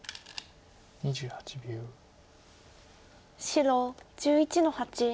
白１１の八。